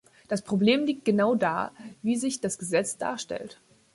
Das Problem liegt genau da, wie sich das Gesetz darstellt.